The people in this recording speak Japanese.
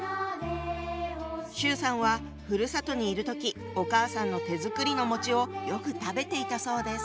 周さんはふるさとにいる時お母さんの手作りのをよく食べていたそうです。